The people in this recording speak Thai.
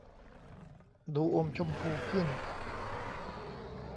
ดูอมชมพูขึ้น